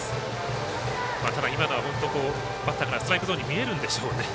バッターからストライクゾーンに見えるんでしょうね。